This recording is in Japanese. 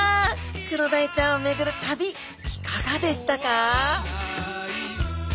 クロダイちゃんを巡る旅いかがでしたか？